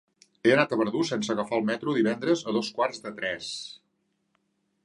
He d'anar a Verdú sense agafar el metro divendres a dos quarts de tres.